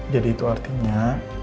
jadi itu artinya